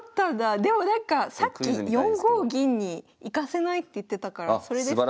でもなんかさっき４五銀に行かせないって言ってたからそれですか？